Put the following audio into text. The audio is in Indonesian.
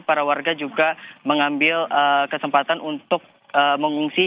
para warga juga mengambil kesempatan untuk mengungsi